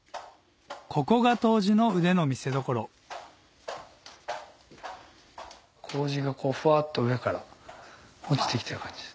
ここが杜氏の腕の見せどころ麹がフワっと上から落ちて来てる感じ。